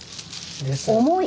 重い。